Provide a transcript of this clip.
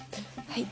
はい。